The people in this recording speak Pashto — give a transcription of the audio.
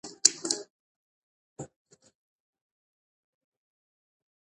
امام نهه دندې لري.